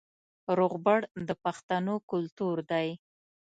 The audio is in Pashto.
روغبړ د پښتنو کلتور دی